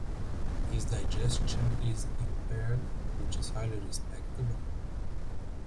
His digestion is impaired, which is highly respectable.